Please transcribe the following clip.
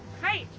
はい。